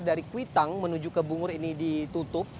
dari kuitang menuju ke bungur ini ditutup